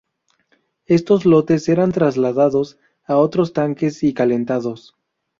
Estos lotes eran trasladados a otros tanques y calentados.